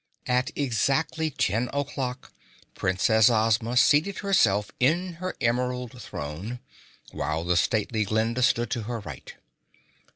At exactly 10 o'clock Princess Ozma seated herself in her Emerald Throne, while the stately Glinda stood at her right.